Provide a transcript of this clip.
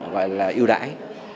gọi là yêu đãi